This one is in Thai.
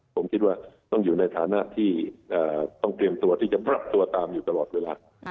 ผมคิดว่าต้องอยู่ในฐานะที่ต้องเตรียมตัวที่จะปรับตัวตามอยู่ตลอดเวลา